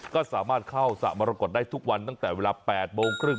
ก็สามารถเข้าสระมรกฏได้ทุกวันตั้งแต่เวลา๘โมงครึ่ง